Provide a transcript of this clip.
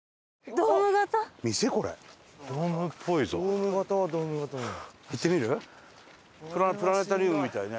ドーム型はドーム型だな。